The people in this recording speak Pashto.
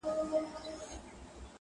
مړې سي عاطفې هلته ضمیر خبري نه کوي.